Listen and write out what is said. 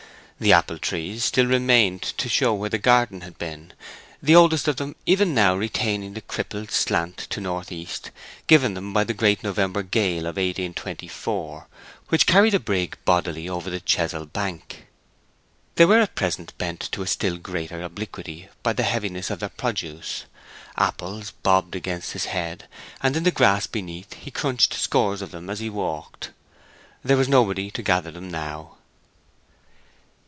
The apple trees still remained to show where the garden had been, the oldest of them even now retaining the crippled slant to north east given them by the great November gale of 1824, which carried a brig bodily over the Chesil Bank. They were at present bent to still greater obliquity by the heaviness of their produce. Apples bobbed against his head, and in the grass beneath he crunched scores of them as he walked. There was nobody to gather them now.